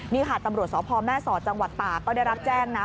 นี่ค่ะตำรวจสพแม่สอดจังหวัดตากก็ได้รับแจ้งนะ